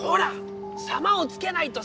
「さま」をつけないと。